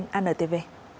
hà nội tv